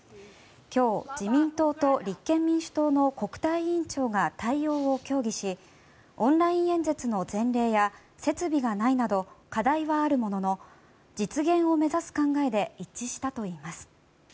今日、自民党と立憲民主党の国対委員長が対応を協議しオンライン演説の前例や設備がないなど課題はあるものの実現を目指す考えで一致したといいます。